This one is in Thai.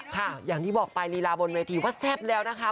อย่างที่บอกไปลีลาบนเวทีว่าแซ่บแล้วนะคะ